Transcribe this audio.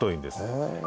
へえ。